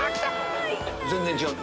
全然違う！